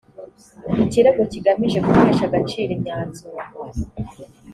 ikirego kigamije gutesha agaciro imyanzuro